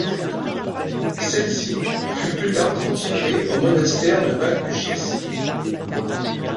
Celle-ci fut plus tard transférée au monastère de Val Duchesse.